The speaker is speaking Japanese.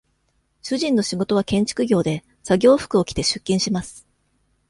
主人の仕事は、建築業で、作業服を着て、出勤します。